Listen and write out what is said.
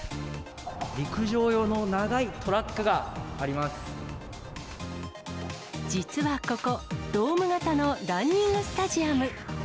陸上用の長いトラックがあり実はここ、ドーム型のランニングスタジアム。